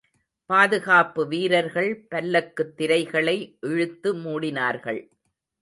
பாதுகாப்பு வீரர்கள் பல்லக்குத் திரைகளை இழுத்து மூடினார்கள்.